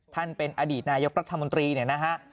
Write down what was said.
ท่านเป็นอดีตนายกรัฐมนตรีเนี่ยนะฮะ